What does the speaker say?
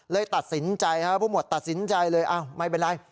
เลยตัดสินใจครับผู้หวดตัดสินใจเลยอ้าวไม่เป็นไร